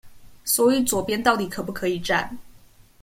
所以左邊到底可不可以站